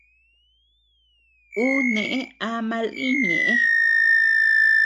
Ú nëʼe ama lï ñëʼe.